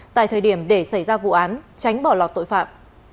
tại thời điểm để xảy ra vụ án tránh bỏ lọt tội phạm